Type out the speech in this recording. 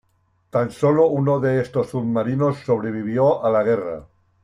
Tan sólo uno de estos submarinos sobrevivió a la guerra.